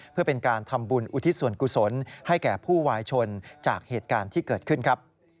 เพื่อเป็นการทำบุญอุทิศส่วนกุศลให้แก่ผู้วายชนจากเหตุการณ์ที่เกิดขึ้นครับ